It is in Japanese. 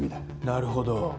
なるほど。